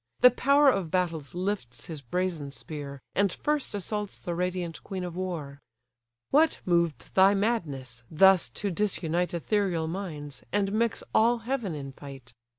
The power of battles lifts his brazen spear, And first assaults the radiant queen of war: "What moved thy madness, thus to disunite Ethereal minds, and mix all heaven in fight?